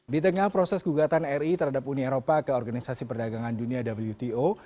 di tengah proses gugatan ri terhadap uni eropa ke organisasi perdagangan dunia wto